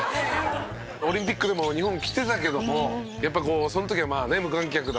「オリンピックでも日本来てたけどもやっぱその時はまあね無観客だったしね」